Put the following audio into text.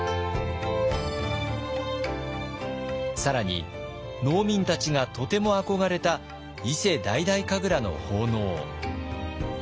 更に農民たちがとても憧れた伊勢大々神楽の奉納。